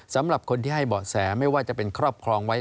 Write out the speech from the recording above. สำหรับคนที่ให้เบาะแสไม่ว่าจะเป็นครอบครองไว้